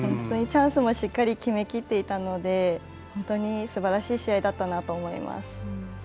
チャンスもしっかり決めきっていたので本当にすばらしい試合だったなと思います。